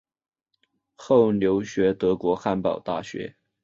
后留学德国汉堡大学。